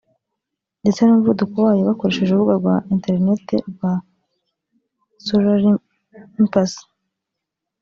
ndetse n’umuvuduko wayo bakoresheje urubuga rwa interinete rwa solarimpulse